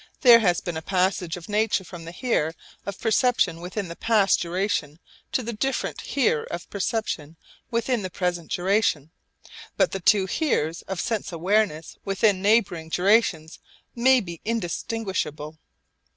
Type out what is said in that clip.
There has been a passage of nature from the 'here' of perception within the past duration to the different 'here' of perception within the present duration. But the two 'heres' of sense awareness within neighbouring durations may be indistinguishable.